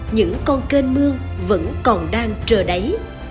những con kênh mương vẫn còn đang trở đáy